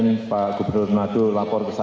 kemarin pak gubernur manado lapor ke saya